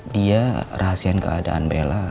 dia rahasian keadaan bella